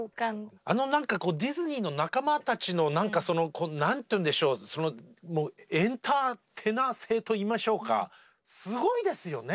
あの何かディズニーの仲間たちの何て言うんでしょうエンターテイナー性といいましょうかすごいですよね。